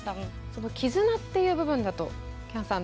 その絆っていう部分だときゃんさん